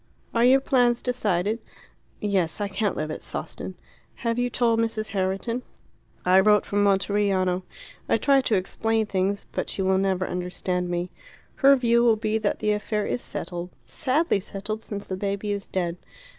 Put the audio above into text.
"Are your plans decided?" "Yes. I can't live at Sawston." "Have you told Mrs. Herriton?" "I wrote from Monteriano. I tried to explain things; but she will never understand me. Her view will be that the affair is settled sadly settled since the baby is dead.